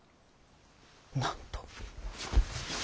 なんと。